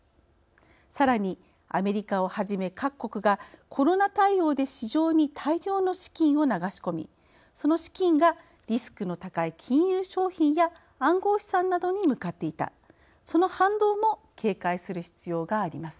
さらにアメリカをはじめ各国がコロナ対応で市場に大量の資金を流し込みその資金がリスクの高い金融商品や暗号資産などに向かっていたその反動も警戒する必要があります。